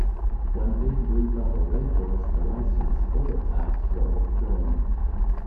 When Big Blue Bubble later lost the license, all its apps were withdrawn.